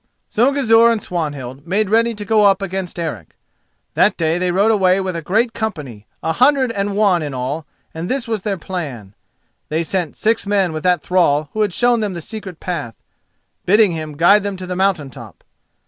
So Gizur and Swanhild made ready to go up against Eric. That day they rode away with a great company, a hundred and one in all, and this was their plan. They sent six men with that thrall who had shown them the secret path, bidding him guide them to the mountain top.